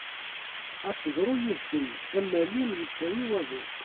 Ad teḍru yid-sen am walim yettawi waḍu.